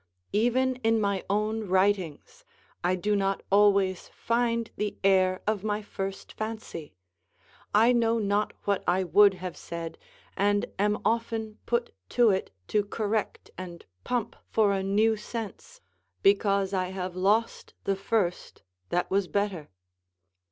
Even in my own writings I do not always find the air of my first fancy; I know not what I would have said, and am often put to it to correct and pump for a new sense, because I have lost the first that was better.